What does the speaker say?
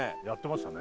やってましたね